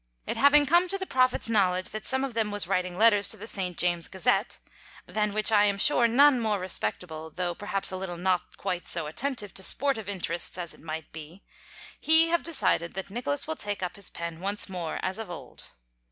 It having come to the Prophet's knowledge that some of them was writing letters to "The St. James's Gazette" (than which I am sure none more respectable, though perhaps a little not quite so attentive to sportive interests as it might be), he have decided that Nicholas will take up his pen once more, as of old.